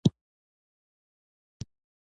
احمد زما سلام بيا نه کړ.